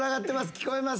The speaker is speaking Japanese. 聞こえます。